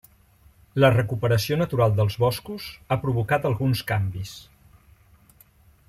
La recuperació natural dels boscos ha provocat alguns canvis.